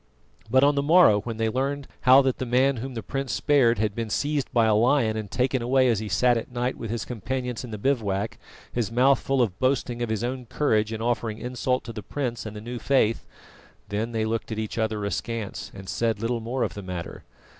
But on the morrow when they learned how that the man whom the prince spared had been seized by a lion and taken away as he sat at night with his companions in the bivouac, his mouth full of boasting of his own courage in offering insult to the prince and the new faith, then they looked at each other askance and said little more of the matter.